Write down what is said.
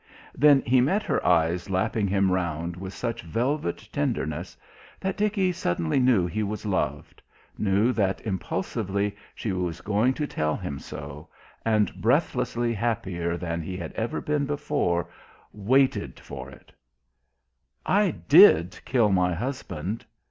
Then he met her eyes lapping him round with such velvet tenderness that Dickie suddenly knew he was loved, knew that impulsively she was going to tell him so, and breathlessly happier than he had ever been before, waited for it "I did kill my husband.